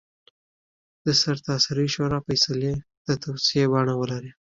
د سرتاسري شورا فیصلې د توصیې بڼه ولري.